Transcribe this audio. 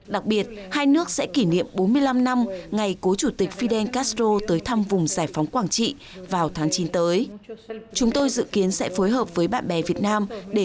đặc biệt hai nước sẽ kỷ niệm bốn mươi năm năm ngày cố chủ tịch fidel castro tới thăm vùng giải phóng quảng nam